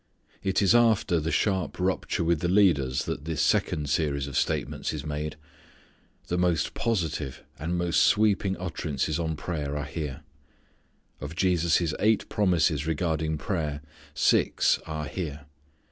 It is after the sharp rupture with the leaders that this second series of statements is made. The most positive, and most sweeping utterances on prayer are here. Of Jesus' eight promises regarding prayer six are here.